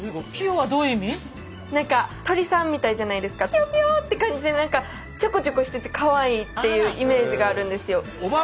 ピヨピヨって感じで何かちょこちょこしててかわいいっていうイメージがあるんですよ。